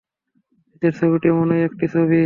নিচের ছবিটি এমনই একটি ছবি।